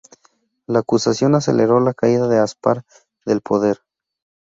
La acusación aceleró la caída de Aspar del poder.